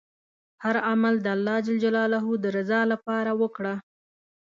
هر عمل د الله ﷻ د رضا لپاره وکړه.